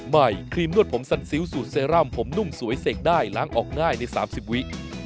ครีมนวดผมสัดซิ้วสูตรเซรั่มผมนุ่มสวยเสกได้ล้างออกง่ายใน๓๐วิ